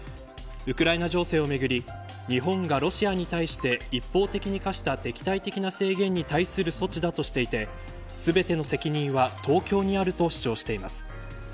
ウクライナ情勢をめぐり日本がロシアに対して一方的に課した敵対的な制限に対する措置だとしていて全ての責任は東京にあると主張しています。